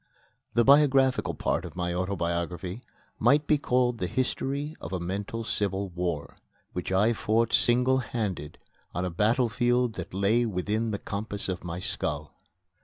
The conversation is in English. The biographical part of my autobiography might be called the history of a mental civil war, which I fought single handed on a battlefield that lay within the compass of my skull.